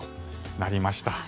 なりました。